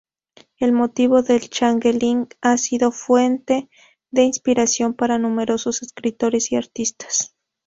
El motivo del "changeling" ha sido fuente de inspiración para numerosos escritores y artistas.